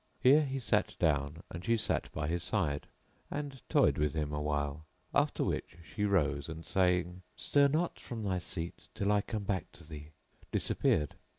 Here he sat down and she sat by his side and toyed with him awhile; after which she rose and saying, "Stir not from thy seat till I come back to thee;" disappeared.